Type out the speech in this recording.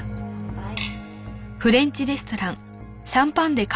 はい。